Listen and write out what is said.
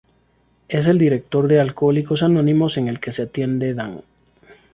Es el director de alcohólicos anónimos en el que se atiende Dan.